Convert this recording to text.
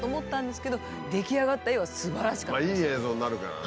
いい映像になるからね。